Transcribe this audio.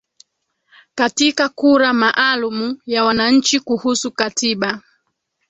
Katika kura maalumu ya wananchi kuhusu katiba